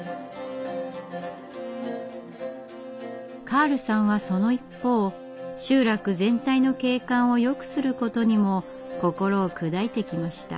カールさんはその一方集落全体の景観をよくすることにも心を砕いてきました。